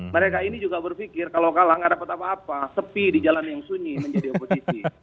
mereka ini juga berpikir kalau kalah nggak dapat apa apa sepi di jalan yang sunyi menjadi oposisi